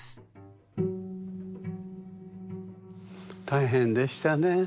大変でしたねえ。